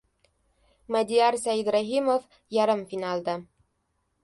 Madiyar Saidrahimov yarim finalda!